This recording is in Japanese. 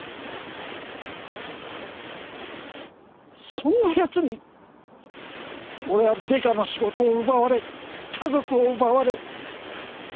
そんな奴に俺はデカの仕事を奪われ家族を奪われ。